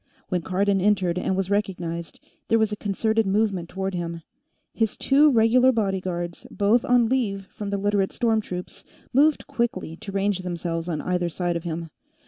When Cardon entered and was recognized, there was a concerted movement toward him. His two regular bodyguards, both on leave from the Literate storm troops, moved quickly to range themselves on either side of him.